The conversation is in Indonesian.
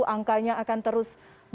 angkanya akan terus berpotensi